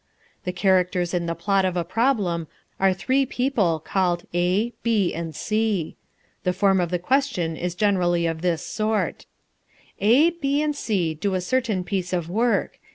The characters in the plot of a problem are three people called A, B, and C. The form of the question is generally of this sort: "A, B, and C do a certain piece of work.